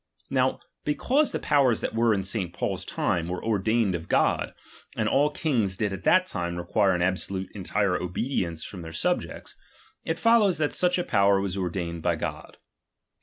Now because the powers that were in St, Paul's time, were ordained of God, and all kings did at that time require an absolute entire obedience from their subjects, it follows that such a power was ordained of God.